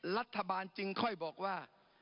รัฐบาลจึงค่อยบอกว่า